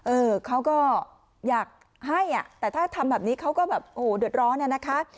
เออเขาก็อยากให้แต่ถ้าทำแบบนี้เขาก็แบบโอ้โหเดือดร้อนเนี่ยนะคะ